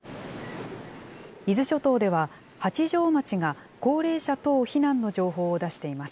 伊豆諸島では、八丈町が高齢者等避難の情報を出しています。